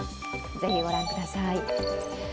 ぜひご覧ください。